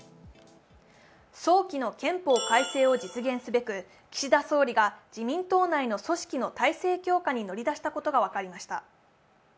早期の憲法改正を実現するべく岸田総理が自民党内の組織の体制強化に乗り出したことが分かりました。